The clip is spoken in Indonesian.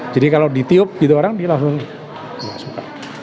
jadi kalau ditiup gitu orang dia langsung masuk